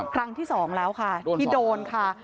ครั้งที่สองแล้วค่ะที่โดนค่ะ